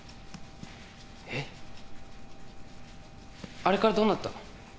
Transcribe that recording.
あれからどうなったの？